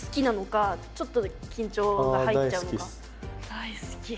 大好き。